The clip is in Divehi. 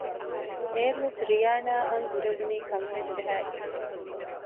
އޭރުވެސް ރިޔާނާ އަށް ހުރެވުނީ ކަންފަތް ޖަހައިގެން